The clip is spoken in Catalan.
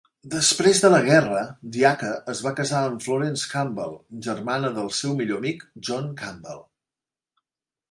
Després de la guerra, diaca es va casar amb Florence Campbell, germana del seu millor amic John Campbell.